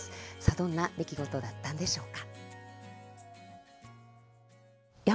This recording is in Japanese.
どんな出来事だったんでしょうか。